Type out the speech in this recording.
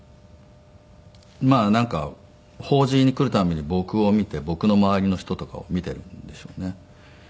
まあなんか法事に来る度に僕を見て僕の周りの人とかを見ているんでしょうね。